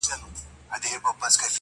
له هر چا یې دی د عقل میدان وړی،